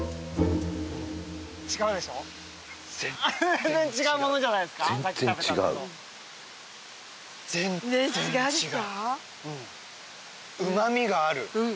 全然違うものじゃないすかさっき食べたのとねっ違うでしょ？